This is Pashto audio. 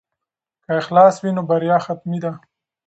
که اخلاص وي نو بریا حتمي ده.